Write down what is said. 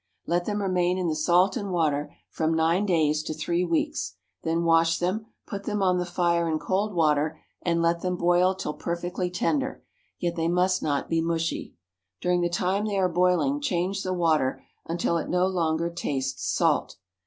Let them remain in the salt and water from nine days to three weeks; then wash them, put them on the fire in cold water, and let them boil till perfectly tender, yet they must not be mushy. During the time they are boiling change the water until it no longer tastes salt.